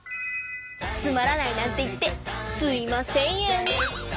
つまらないなんて言ってすいま千円。